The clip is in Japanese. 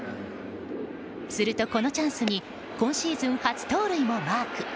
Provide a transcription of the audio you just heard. すると、このチャンスに今シーズン初盗塁をマーク。